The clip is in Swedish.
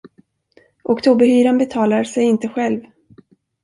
Oktoberhyran betalar sig inte själv.